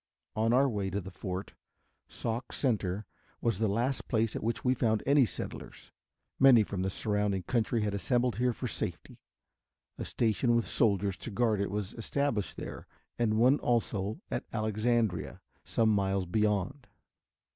On our way to the fort, Sauk Center was the last place at which we found any settlers. Many from the surrounding country had assembled here for safety. A station with soldiers to guard it was established there and one also at Alexandria, some miles beyond.